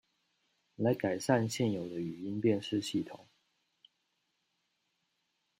來改善現有的語音辨識系統